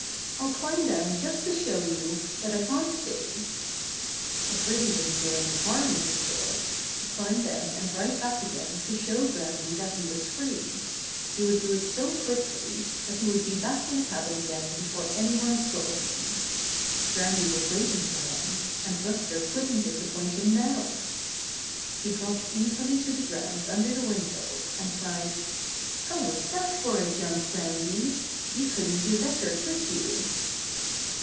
"I'll climb down just to show you, but I can't stay." It really wouldn't do any harm, he thought, to climb down and right back again to show Groundy that he was free. He would do it so quickly that he would be back in the cabin How Buster Was Stolen 43 again before any one saw him. Groundy was waiting for him, and Buster couldn't disap point him now. He dropped easily to the ground under the window, and cried: ^^How was that for a jump, Groundy! You couldn't do better, could you?"